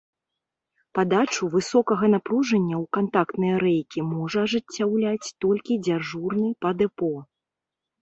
Падачу высокага напружання ў кантактныя рэйкі можа ажыццяўляць толькі дзяжурны па дэпо.